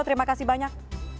terima kasih banyak